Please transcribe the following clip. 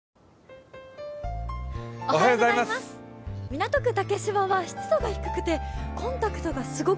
港区竹芝は湿度が低くてコンタクトがすごく